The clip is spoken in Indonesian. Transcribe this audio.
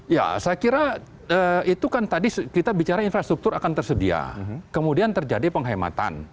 ya saya kira itu kan tadi kita bicara infrastruktur akan tersedia kemudian terjadi penghematan